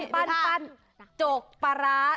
ปั้นจกปลาร้า